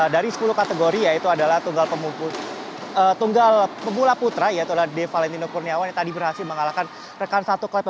dari sepuluh kategori yaitu adalah tunggal pemula putra yaitu de valentino kurniawan yang tadi berhasil mengalahkan rekan satu klub